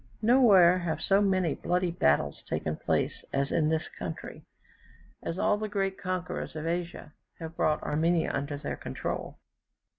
Nowhere have so many bloody battles taken place as in this country, as all the great conquerors of Asia have brought Armenia under their control.